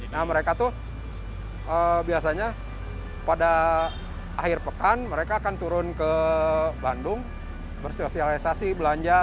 nah mereka tuh biasanya pada akhir pekan mereka akan turun ke bandung bersosialisasi belanja